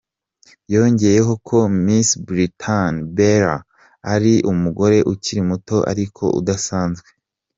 Yongeyeho ko Miss Brittany Bell ari ‘umugore ukiri muto ariko udasanzwe’.